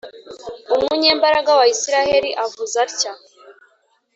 Umunyembaraga wa Israheli, avuze atya: